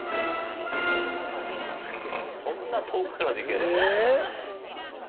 そんな遠くからでいけるの？